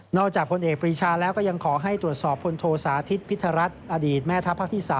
จากพลเอกปรีชาแล้วก็ยังขอให้ตรวจสอบพลโทสาธิตพิธรัฐอดีตแม่ทัพภาคที่๓